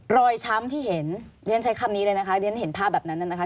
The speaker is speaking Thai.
ช้ำที่เห็นเรียนใช้คำนี้เลยนะคะเรียนเห็นภาพแบบนั้นนะคะ